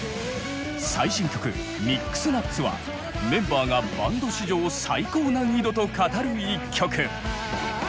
最新曲「ミックスナッツ」はメンバーがバンド史上最高難易度と語る１曲。